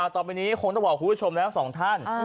ต่อไปนี้คงต้องบอกคุณผู้ชมแล้วสองท่าน